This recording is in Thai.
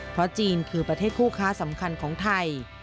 เพราะจีนคือประเทศคู่ค้าสำคัญของไทย